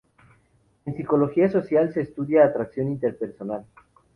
En psicología social se estudia atracción interpersonal.